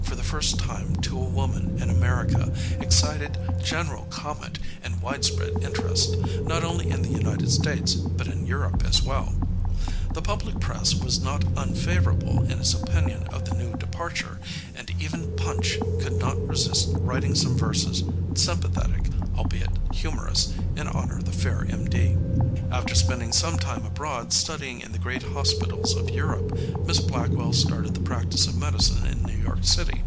for the first time to a woman in America excited general comment and widespread interest, not only in the United States, but in Europe as well. The public press was not unfavorable in its opinion of the new departure, and even Punch could not resist writing some verses, sympathetic, albeit humorous, in honor of the fair M.D. After spending some time abroad studying in the great hospitals of Europe, Miss Blackwell started the practice of medicine in New York City.